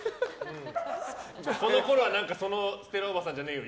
このころはそのステラおばさんじゃねーよ！